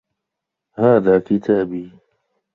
هذا كتابي.